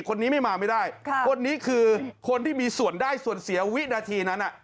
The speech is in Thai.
คนนี้ไม่มาไม่ได้คนนี้คือคนที่มีส่วนได้ส่วนเสียวินาทีนั้น